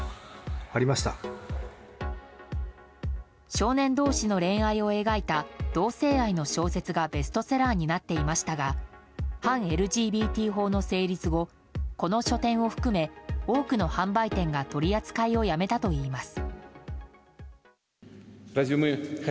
少年同士の恋愛を描いた同性愛の小説がベストセラーになっていましたが反ＬＧＢＴ法の成立後この書店を含め多くの販売店が取り扱いをやめたといいます。